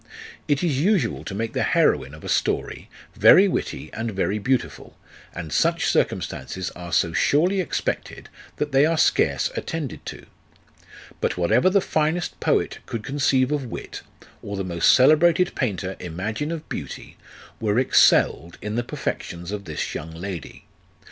It is usual to make the heroine of a story very witty and very beautiful, and such circumstances are so surely expected, that they are scarce attended to. But whatever the finest poet could con ceive of wit, or the most celebrated painter imagine of beauty, were excelled in the perfections of this young lady.